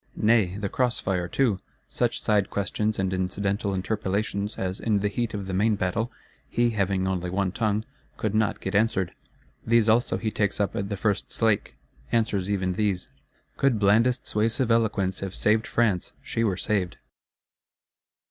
Nay, the cross fire too: such side questions and incidental interpellations as, in the heat of the main battle, he (having only one tongue) could not get answered; these also he takes up at the first slake; answers even these. Could blandest suasive eloquence have saved France, she were saved.